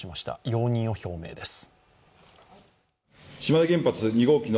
容認を表明です。